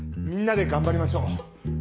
みんなで頑張りましょう！